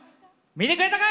見てくれたか？